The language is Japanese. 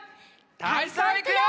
たいそういくよ！